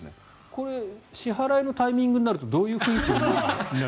これ支払いのタイミングになるとどういう雰囲気に？